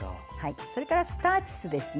それから、スターチスですね。